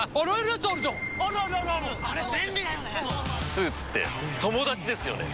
「「スーツって友達ですよね」